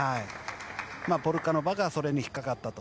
ポルカノバがそれに引っかかったと。